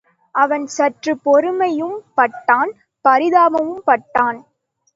அவன் சற்றுப் பொறாமையும் பட்டான் பரிதாபமும் பட்டான்.